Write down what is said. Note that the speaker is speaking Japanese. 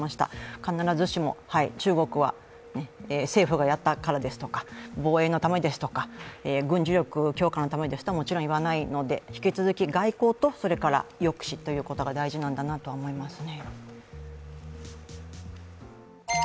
必ずしも、中国は政府がやったからですとか防衛のためですとか、軍事力強化のためですとはもちろん言わないので引き続き外交とそれから抑止ということが大事なんだなと思いますね。